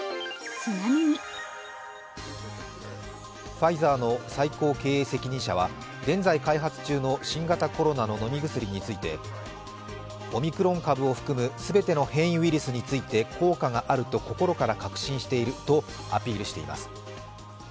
ファイザーの最高経営責任者は現在開発中の新型コロナの飲み薬についてオミクロン株を含む全ての変異ウイルスについて効果があると心から確信しているとアピールしています。